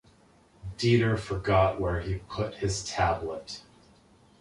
Dieter forgot where he put his tablet.